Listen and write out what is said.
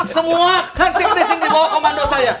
semua kan si pusing dibawah komando saya